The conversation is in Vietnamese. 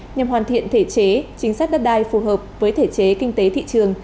nhằm hoàn thiện thể chế chính sách đất đai phù hợp với thể chế kinh tế thị trường